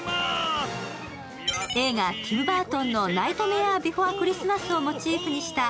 映画ティム・バートンの「ナイトメアー・ビフォア・クリスマス」をモチーフにした